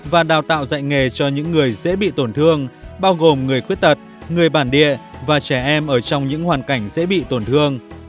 và đào tạo dạy nghề cho những người dễ bị tổn thương bao gồm người khuyết tật người bản địa và trẻ em ở trong những hoàn cảnh dễ bị tổn thương